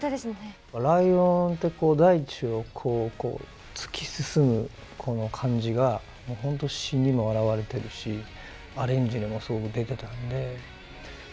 ライオンって大地を突き進む感じが本当、詞にも表れているしアレンジにもすごく出ていたので。